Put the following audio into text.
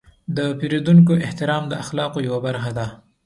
د پیرودونکو احترام د اخلاقو برخه ده.